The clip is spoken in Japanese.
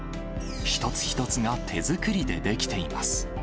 一つ一つが手作りで出来ています。